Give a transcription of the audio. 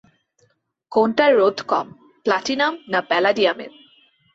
কোনটার রোধ কম, প্লাটিনাম না প্যালাডিয়াম এর?